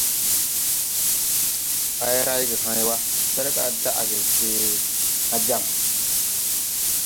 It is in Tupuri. Hay rayge hãy wa, wɛrga daʼge se hãã jam.